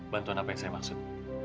bantuan apa yang saya maksud